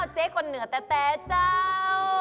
เจ๊คนเหนือแต่เจ้า